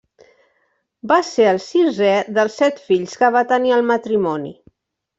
Va ser el sisè dels set fills que va tenir el matrimoni.